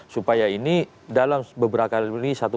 supaya ini dalam beberapa kali ini satu